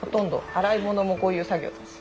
洗い物もこういう作業だし。